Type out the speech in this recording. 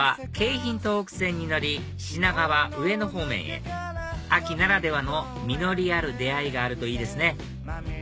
品川上野方面へ秋ならではの実りある出会いがあるといいですね